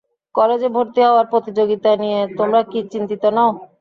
কলেজে ভর্তি হওয়ার প্রতিযোগিতা নিয়ে তোমরা কি চিন্তিত নও?